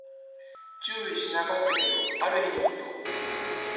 注意しなかったけど、ある日のこと